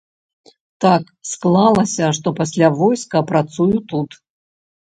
Так склалася, што пасля войска працую тут.